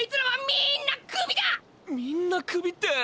みんなクビって。